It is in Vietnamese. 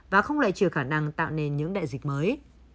và không lại chừa khả năng tạo nên những đại dịch mới